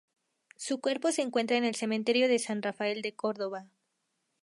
Su cuerpo se encuentra en el cementerio de San Rafael de Córdoba.